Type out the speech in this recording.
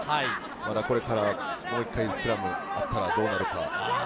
これからもう１回、スクラム行ったらどうなるか。